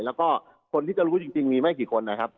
และคนที่จะรู้จริงมีไม่ค่อยกันครับ